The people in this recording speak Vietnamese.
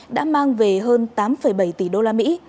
đã mang về hơn tám bảy tỷ đô la mỹ